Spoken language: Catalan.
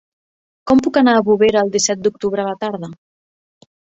Com puc anar a Bovera el disset d'octubre a la tarda?